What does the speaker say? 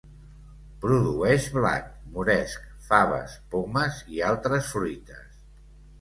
Produeix blat, moresc, faves, pomes, i altres fruites.